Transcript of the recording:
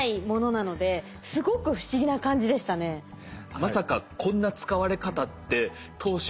まさかこんな使われ方って当初。